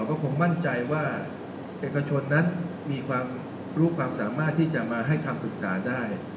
ก็คงมั่นใจว่าเอกชนนั้นมีความรู้ความสามารถที่จะมาให้คำปรึกษาได้